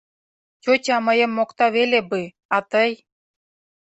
Тётя мыйым мокта веле бы, а тый...